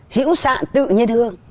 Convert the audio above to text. hiểu sạn tự nhiên hương